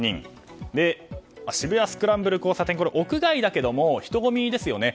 渋谷スクランブル交差点は屋外だけども人混みですよね。